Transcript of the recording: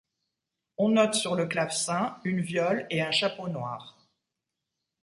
On note sur le clavecin une viole et un chapeau noir.